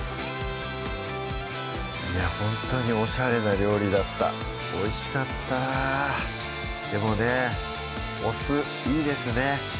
いやほんとにおしゃれな料理だったおいしかったでもねお酢いいですね